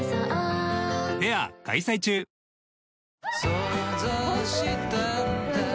想像したんだ